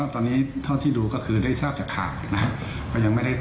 ตอนนี้เท่าที่ดูก็คือได้ทราบจากข่าวนะครับ